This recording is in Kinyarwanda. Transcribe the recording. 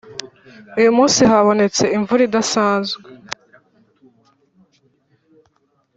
Uyu munsi habonetse imvura idasanzwe